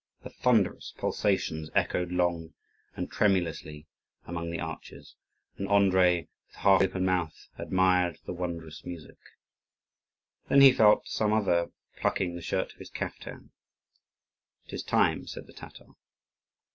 The thunderous pulsations echoed long and tremulously among the arches; and Andrii, with half open mouth, admired the wondrous music. Then he felt some one plucking the shirt of his caftan. "It is time," said the Tatar.